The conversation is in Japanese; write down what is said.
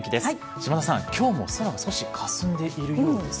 島田さん、今日も空が少しかすんでいるようですね。